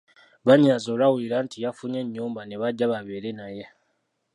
Bannyinaze olwawulira nti yafunye ennyumba ne bajja babeere naye!